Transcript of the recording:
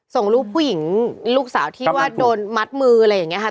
ส่งรูปผู้หญิงลูกสาวที่ว่าโดนมัดมืออะไรอย่างนี้ค่ะ